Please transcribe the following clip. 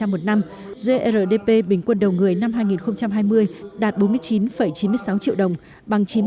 một năm grdp bình quân đầu người năm hai nghìn hai mươi đạt bốn mươi chín chín mươi sáu triệu đồng bằng chín mươi năm sáu của